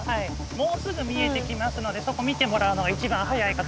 もうすぐ見えてきますのでそこ見てもらうのが一番早いかと思います。